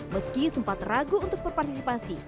meski sempat ragu untuk berpartisipasi